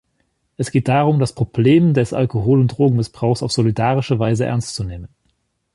Es geht darum, das Problem des Alkohol- und Drogenmissbrauchs auf solidarische Weise ernst zu nehmen.